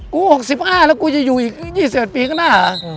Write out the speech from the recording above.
กูหกสิบห้าแล้วกูจะอยู่อีกยี่สิบเอ็ดปีก็น่าหรอ